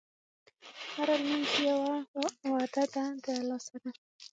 هره لمونځ یوه وعده ده د الله سره.